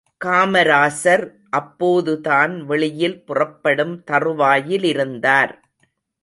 காமராசர் அப்போதுதான் வெளியில் புறப்படும் தறுவாயிலிருந்தார்.